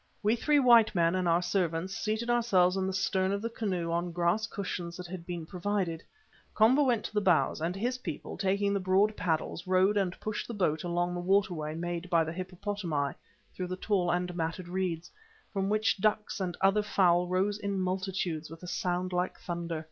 We three white men and our servants seated ourselves in the stern of the canoe on grass cushions that had been provided. Komba went to the bows and his people, taking the broad paddles, rowed and pushed the boat along the water way made by the hippopotami through the tall and matted reeds, from which ducks and other fowl rose in multitudes with a sound like thunder.